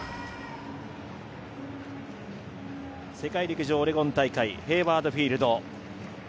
世界陸上オレゴン大会ヘイワード・フィールド。